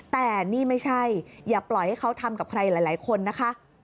แต่นี่ไม่ใช่อย่าปล่อยให้เขาทำกับใครหลายคนนะคะ